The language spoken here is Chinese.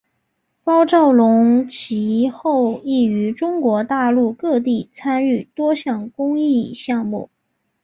包兆龙其后亦于中国大陆各地参与多项公益项目。